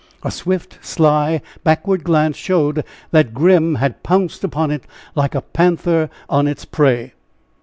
A swift, sly, backward glance showed that Grim had pounced upon it like a panther on its prey.